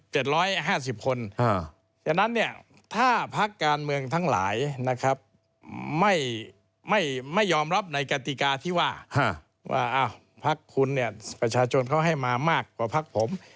เพราะฉะนั้นถ้าภาคการเมืองทั้งหลายไม่ยอมรับในกติกาที่ว่าภาคคุณประชาชนเขาให้มามากกว่าภาคผม